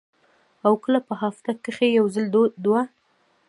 او کله پۀ هفته کښې یو ځل دوه ـ